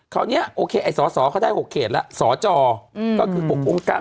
เข้าเนี้ยโอเคไอ้สตขาได้หกเขตละสจก็คือโปร่งการ